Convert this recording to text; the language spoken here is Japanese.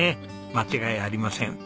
間違いありません。